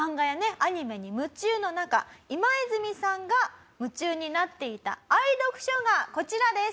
アニメに夢中の中イマイズミさんが夢中になっていた愛読書がこちらです。